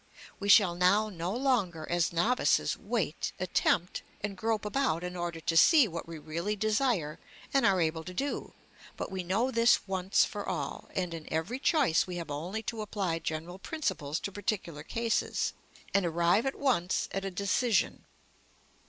We shall now no longer, as novices, wait, attempt, and grope about in order to see what we really desire and are able to do, but we know this once for all, and in every choice we have only to apply general principles to particular cases, and arrive at once at a decision.